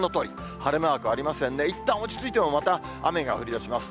晴れマークありませんね、いったん落ち着いても、また雨が降りだします。